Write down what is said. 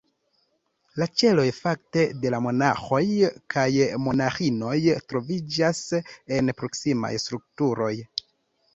La ĉeloj, fakte, de la monaĥoj kaj monaĥinoj troviĝas en proksimaj strukturoj.